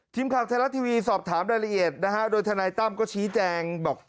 ทีมขังไทยลักษณ์ทีวีสอบถามรายละเอียดนะฮะโดยทนัยตั้มก็ชี้แจง